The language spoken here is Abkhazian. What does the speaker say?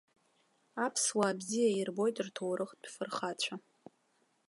Аԥсуаа бзиа ирбоит рҭоурыхтә фырхацәа.